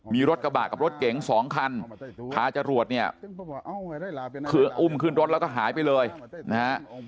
มีรถกระบะกับรถเก๋งสองคันพาจรวดเนี่ยคืออุ้มขึ้นรถแล้วก็หายไปเลยนะฮะ